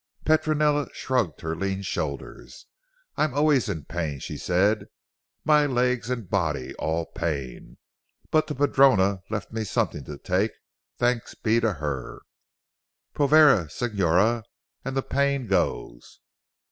Petronella shrugged her lean shoulders "I am always in pain," she said, "my legs and body all pain. But the padrona left me something to take thanks be to her, povera signora, and the pain goes."